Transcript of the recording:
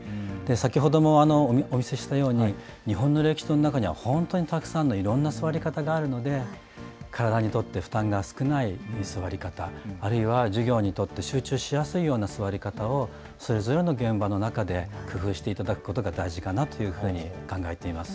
先ほどもお見せしたように日本の歴史の中には本当にたくさんのいろんな座り方があるので、体にとって負担が少ない、いい座り方、あるいは授業にとって集中しやすいような座り方をそれぞれの現場の中で工夫していただくことが大事かなというふうに考えています。